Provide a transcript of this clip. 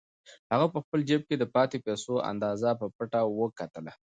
هغه په خپل جېب کې د پاتې پیسو اندازه په پټه وکتله.